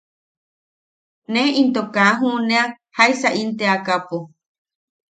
Ne into kaa juʼunea jaisa in teakaʼapo.